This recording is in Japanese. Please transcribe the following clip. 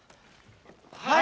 はい！